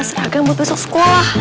seragam buat besok sekolah